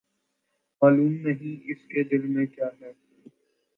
معلوم نہیں، اس کے دل میں کیاہے؟